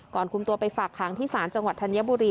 ก่อนคุมตัวไปฝากค้ำที่สารจังหวัดธัญบุรี